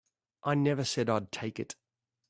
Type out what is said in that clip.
I never said I'd take it.